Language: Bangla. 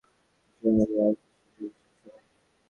আমাদের আত্মা এত পবিত্র ও পূর্ণ যে, আমাদের আর কিছুরই আবশ্যক ছিল না।